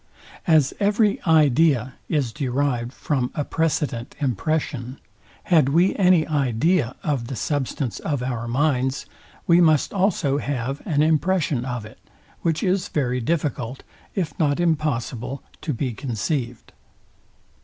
As every idea is derived from a precedent impression, had we any idea of the substance of our minds, we must also have an impression of it; which is very difficult, if not impossible, to be conceived.